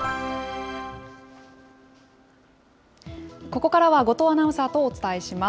ここからは、後藤アナウンサーとお伝えします。